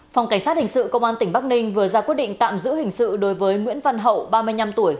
phòng cảnh sát hình sự công an tỉnh bắc ninh vừa ra quyết định tạm giữ hình sự đối với nguyễn văn hậu ba mươi năm tuổi